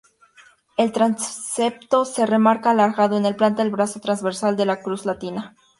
El transepto se remarca alargando en planta el brazo transversal de la cruz latina.